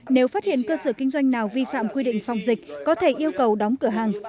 nếu phát hiện cơ sở kinh doanh nào vi phạm quy định phòng dịch có thể yêu cầu đóng cửa hàng